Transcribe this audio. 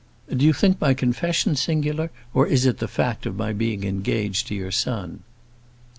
"Do you think my confession singular, or is it the fact of my being engaged to your son?"